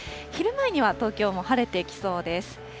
昼前には東京も晴れてきそうです。